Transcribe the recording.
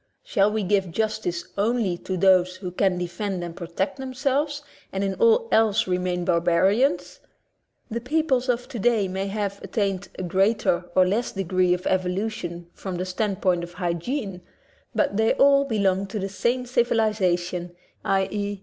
Shall we give justice only to those who can defend and protect themselves and in all else remain bar barians? The peoples of today may have at tained a greater or less degree of evolution from the standpoint of hygiene, but they all belong to the same civilization, i.e.